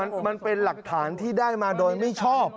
มันเป็นหลักฐานที่ได้มาโดยไม่ชอบ